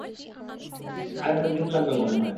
আরেকটা ড্রিঙ্ক লাগবে মনে হয়।